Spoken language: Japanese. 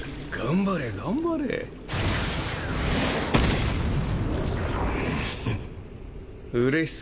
頑張れ頑張れ。